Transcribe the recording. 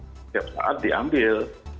setiap saat diambil